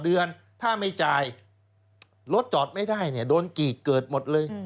เดือนถ้าไม่จ่ายรถจอดไม่ได้เนี่ยโดนกีดเกิดหมดเลย